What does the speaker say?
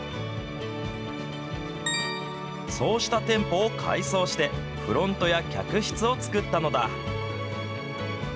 そうした店舗を改装して、フロントや客室を作ったのだ。